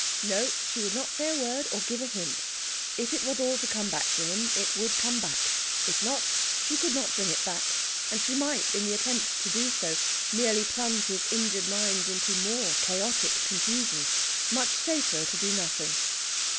No! She would not say a word, or give a hint. If it was all to come back to him, it would come back. If not, she could not bring it back; and she might, in the attempt to do so, merely plunge his injured mind into more chaotic confusion. Much safer to do nothing!